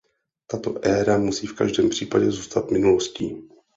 Tato éra musí v každém případě zůstat minulostí.